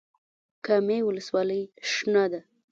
کامې ولسوالۍ شنه ده؟